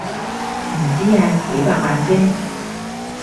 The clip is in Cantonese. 唔知啊，幾百萬啫